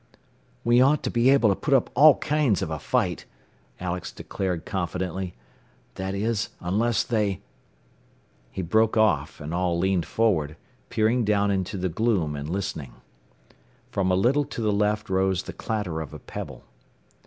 "We ought to be able to put up all kinds of a fight," Alex declared confidently. "That is, unless they " He broke off, and all leaned forward, peering down into the gloom, and listening. From a little to the left rose the clatter of a pebble.